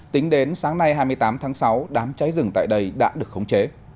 tính đến sáng nay hai mươi tám tháng sáu đám cháy rừng tại đây đã được khống chế